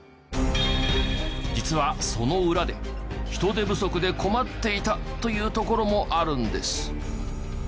実はその裏で人手不足で困っていたというところもあるんです。